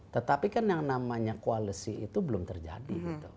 tetapi kan yang namanya koalisi itu belum terjadi